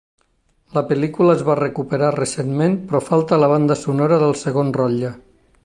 La pel·lícula es va recuperar recentment però falta la banda sonora del segon rotlle.